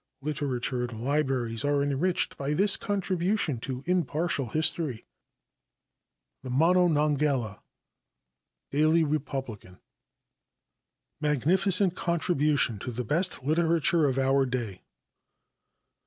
Literature and libraries are enriched by this contribution to impartial history. The Monongahela (Pa.) Daily Republican. "Magnificent Contribution to the Best Literature of Our Day."